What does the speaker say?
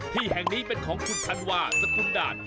ที่แห่งนี้เป็นของคุณธันวาสกุลด่าน